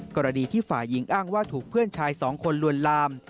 กรณีที่ฝ่ายหญิงอ้างว่าถูกเพื่อนชายสองคนลวนลาม